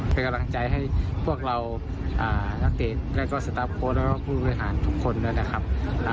เป็นกำลังใจให้พวกเรานักเดทและก็สตาร์ทโพสต์และผู้บริหารทุกคนนะครับ